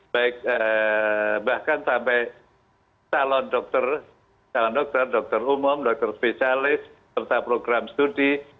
baik bahkan sampai salon dokter salon dokter dokter umum dokter spesialis serta program studi